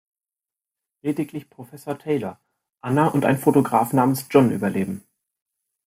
Lediglich Professor Taylor, Ana und ein Fotograf namens John überleben.